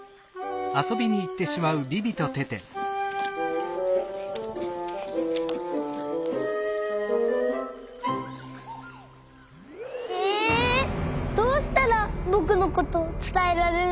どうしたらぼくのことつたえられるの？